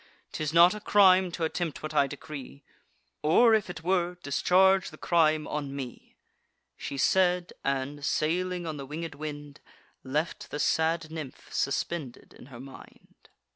'Tis not a crime t' attempt what I decree; Or, if it were, discharge the crime on me." She said, and, sailing on the winged wind, Left the sad nymph suspended in her mind.